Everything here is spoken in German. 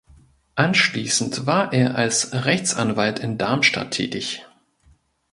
Anschließend war er als Rechtsanwalt in Darmstadt tätig.